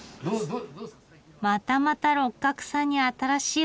またまた六角さんに新しいお客さん。